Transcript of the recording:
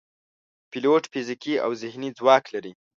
پیلوټ فزیکي او ذهني ځواک لري.